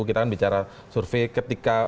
kita kan bicara survei ketika